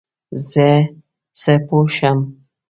زه څه پوه شم ؟